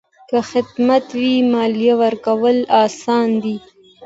که خدمات وي، مالیه ورکول اسانه دي؟